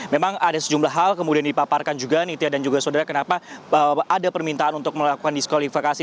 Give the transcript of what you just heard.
memang ada sejumlah hal kemudian dipaparkan juga nitya dan juga saudara kenapa ada permintaan untuk melakukan diskualifikasi